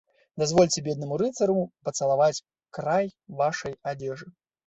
Дазвольце беднаму рыцару пацалаваць край вашай адзежы.